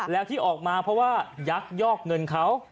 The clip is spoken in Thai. แล้วที่ออกมาเพราะว่ายักยอกเงินเขา